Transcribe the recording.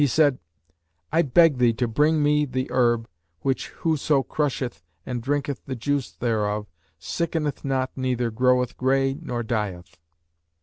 Said he, 'I beg thee to bring me the herb, which whoso crusheth and drinketh the juice thereof, sickeneth not neither groweth grey nor dieth.'